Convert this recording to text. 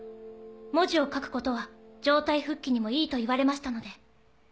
文字を書くことは状態復帰にもいいと言われましたので。